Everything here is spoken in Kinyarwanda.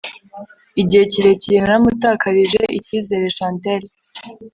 igihe kirekire naramutakarije icyizere Chantelle